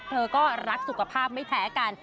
เธอก็รักสุขภาพไม่แพ้กัน